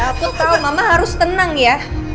aku tahu mama harus tenang ya